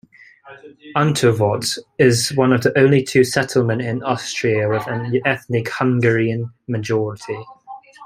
Unterwart is one of only two settlements in Austria with an ethnic Hungarian majority.